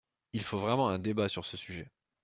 Il faut vraiment un débat sur ce sujet.